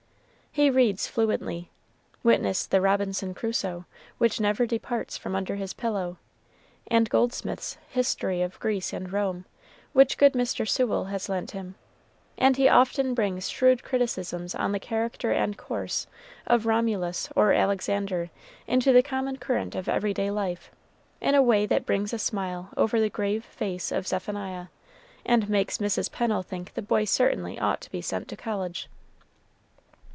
He reads fluently, witness the "Robinson Crusoe," which never departs from under his pillow, and Goldsmith's "History of Greece and Rome," which good Mr. Sewell has lent him, and he often brings shrewd criticisms on the character and course of Romulus or Alexander into the common current of every day life, in a way that brings a smile over the grave face of Zephaniah, and makes Mrs. Pennel think the boy certainly ought to be sent to college.